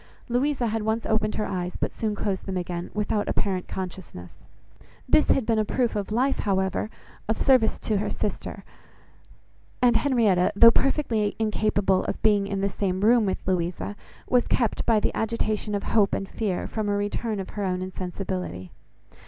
Louisa had once opened her eyes, but soon closed them again, without apparent consciousness. This had been a proof of life, however, of service to her sister; and Henrietta, though perfectly incapable of being in the same room with Louisa, was kept, by the agitation of hope and fear, from a return of her own insensibility.